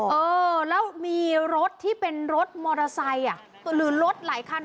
เออแล้วมีรถที่เป็นรถมอเตอร์ไซค์อ่ะหรือรถหลายคัน